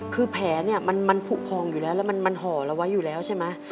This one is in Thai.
คือแผลเนี่ยมันผูกพองอยู่แล้วแล้วมันห่อเราไว้อยู่แล้วใช่ไหม